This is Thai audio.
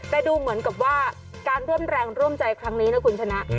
แต่ดูเหมือนกับว่าการร่วมแรงร่วมใจครั้งนี้นะคุณชนะ